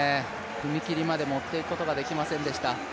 踏み切りまで持っていくことができませんでした。